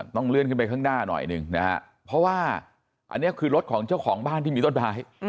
ต้องเลื่อนขึ้นไปข้างหน้าหน่อยหนึ่งนะฮะเพราะว่าอันนี้คือรถของเจ้าของบ้านที่มีต้นไม้